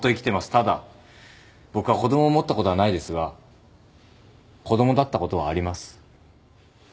ただ僕は子供を持ったことはないですが子供だったことはあります。